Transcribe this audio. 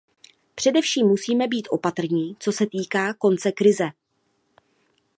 Především musíme být opatrní, co se týká konce krize.